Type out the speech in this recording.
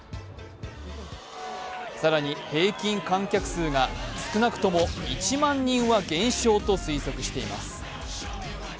更に平均観客数が少なくとも１万人は減少と推測しています。